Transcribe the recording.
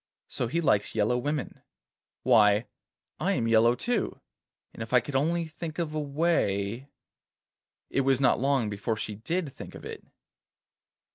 'So he likes yellow women! Why, I am yellow too, and if I could only think of a way——' It was not long before she did think of it.